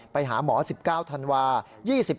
ไปหาหมอ๑๙ธันวาคม